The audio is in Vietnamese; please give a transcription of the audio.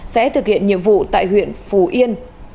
sẽ thực hiện nhiệm vụ tại huyện phủ yên